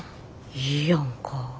いいやんか。